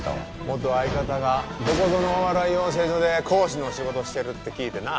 元相方がどこぞのお笑い養成所で講師の仕事してるって聞いてな。